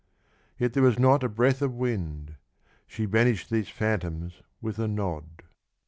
Yet there was not a breath of wind : she banish'd These phantoms with a nod.